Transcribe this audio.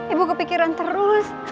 ibu kepikiran terus